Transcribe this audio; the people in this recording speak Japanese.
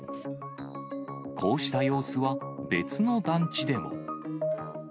こうした様子は、別の団地でも。